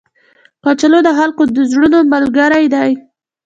کچالو د خلکو د زړونو ملګری دی